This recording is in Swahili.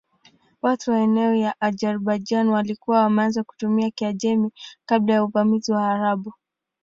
Watu wa maeneo ya Azerbaijan walikuwa wameanza kutumia Kiajemi kabla ya uvamizi wa Waarabu.